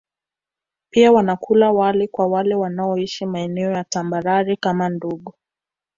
Pia wanakula wali kwa wale wanaoishi maeneo ya tambarare kama Ndungu